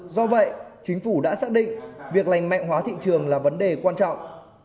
do vậy chính phủ đã xác định việc lành mạnh hóa thị trường là vấn đề quan trọng